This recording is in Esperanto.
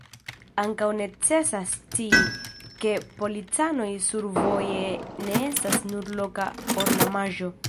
Ankaŭ necesas scii, ke policanoj survoje ne estas nur loka ornamaĵo.